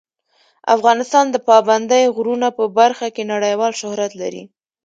افغانستان د پابندی غرونه په برخه کې نړیوال شهرت لري.